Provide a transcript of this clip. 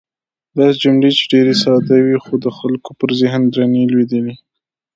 داسې جملې چې ډېرې ساده وې، خو د خلکو پر ذهن درنې لوېدې.